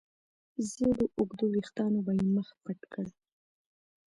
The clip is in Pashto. زېړو اوږدو وېښتانو به يې مخ پټ کړ.